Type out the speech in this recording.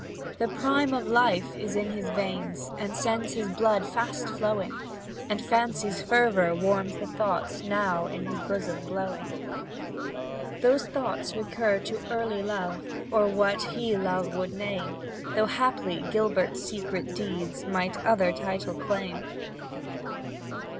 The prime of life is in his veins, And sends his blood fast flowing, And Fancy's fervour warms the thoughts Now in his bosom glowing. Those thoughts recur to early love, Or what he love would name, Though haply Gilbert's secret deeds Might other title claim.